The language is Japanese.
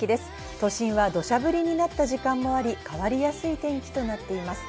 都心は土砂降りになった時間もあり、変わりやすい天気となっています。